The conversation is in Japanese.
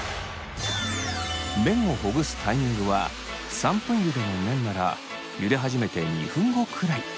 麺をほぐすタイミングは３分ゆでの麺ならゆで始めて２分後くらい。